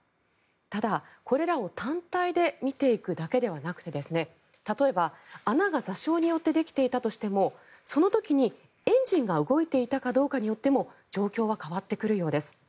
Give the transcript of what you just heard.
ただ、これらを単体で見ていくだけではなくて例えば、穴が座礁によってできていたとしてもその時にエンジンが動いていたかによっても状況は変わってくるようです。